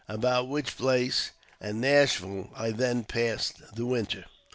about which place, and Nashville, I then passed the winter.